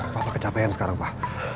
pak pap kecapean sekarang pak